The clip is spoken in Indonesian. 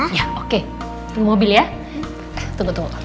iya oke mobil ya tunggu tunggu